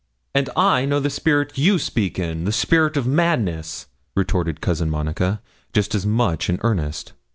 'And I know the spirit you speak in, the spirit of madness,' retorted Cousin Monica, just as much in earnest.